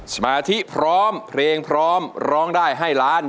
สมาธิพร้อมเพลงพร้อมร้องได้ให้ล้าน